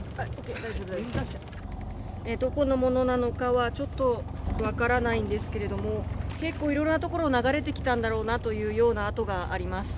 どこのものなのかは、ちょっと分からないんですけれども、結構、いろいろな所を流れてきたんだろうなという跡があります。